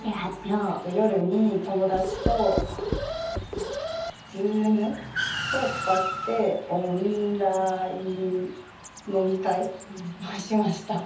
夜に友達とＺｏｏｍを使ってオンライン飲み会をしました。